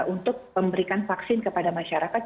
untuk memberikan vaksin kepada masyarakat